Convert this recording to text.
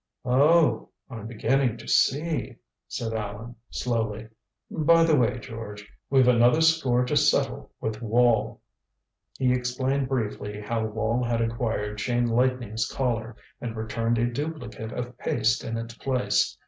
"Oh I'm beginning to see," said Allan slowly. "By the way, George, we've another score to settle with Wall." He explained briefly how Wall had acquired Chain Lightning's Collar, and returned a duplicate of paste in its place.